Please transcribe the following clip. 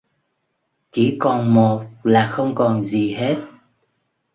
Chỉ còn một là không còn gì hết